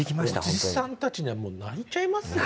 おじさんたちにはもう泣いちゃいますよ。